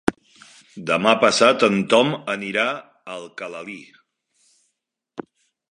Demà passat en Tom anirà a Alcalalí.